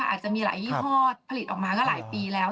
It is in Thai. อาจจะมีหลายยี่ห้อผลิตออกมาก็หลายปีแล้ว